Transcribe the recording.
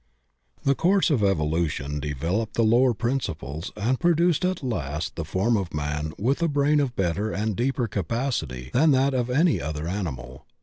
The course of evolution developed the lower prin ciples and produced at last the form of man with a brain of better and deeper capacity than that of any other animal.